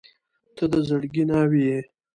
• ته د زړګي ناوې یې.